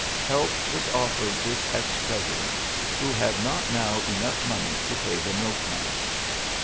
Help was offered this ex president who had not now enough money to pay the milkman.